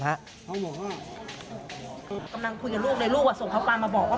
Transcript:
กำลังคุยกับลูกเลยลูกส่งเขาไปมาบอกว่า